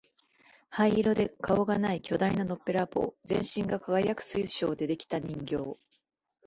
灰色で顔がない巨大なのっぺらぼう、全身が輝く水晶で出来た人形、